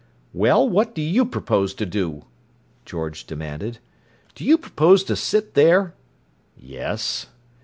"Well, what do you propose to do?" George demanded. "Do you propose to sit there—" "Yes."